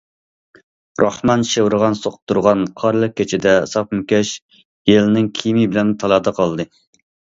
راخمان شىۋىرغان سوقۇپ تۇرغان قارلىق كېچىدە ساپما كەش، يېلىڭ كىيىمى بىلەن تالادا قالدى.